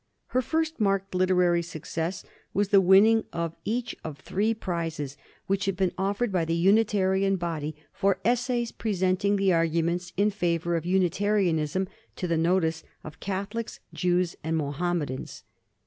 Her first marked literary success was the winning of each of three prizes which had been offered by the Unitarian body for essays presenting the arguments in favour of Unitarianism to the notice of Catholics, Jews, and Mohammedans.